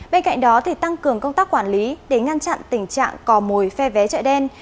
bên cạnh đó tăng cường công tác quản lý để ngăn chặn tình trạng cò mồi phe vé chạy đen